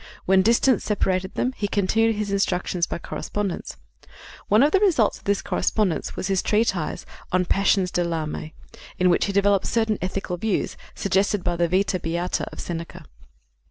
When distance separated them he continued his instructions by correspondence. One of the results of this correspondence was his treatise on Passions de l'Âme, in which he develops certain ethical views suggested by the Vita Beata of Seneca.